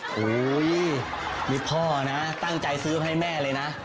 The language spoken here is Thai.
โอ้โหนี่พ่อนะตั้งใจซื้อมาให้แม่เลยนะ